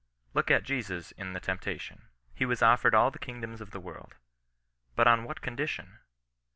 Look at Jesus in the temptation. He was offered all the kingdoms of the world. But on what condition